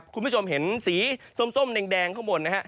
คุณผู้ชมเห็นสีส้มแดงข้างบนนะฮะ